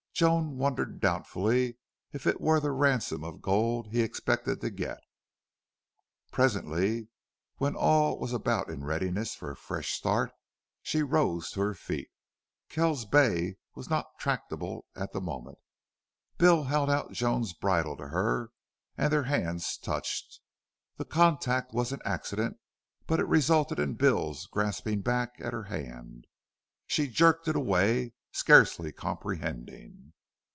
Joan wondered doubtfully if it were the ransom of gold he expected to get. Presently, when all was about in readiness for a fresh start, she rose to her feet. Kells's bay was not tractable at the moment. Bill held out Joan's bridle to her and their hands touched. The contact was an accident, but it resulted in Bill's grasping back at her hand. She jerked it away, scarcely comprehending.